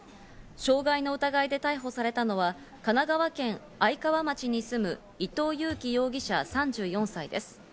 傷害の疑いで逮捕されたのは神奈川県愛川町に住む伊藤裕樹容疑者、３４歳です。